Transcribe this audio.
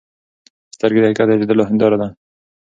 سترګې د حقیقت د لیدلو هنداره ده.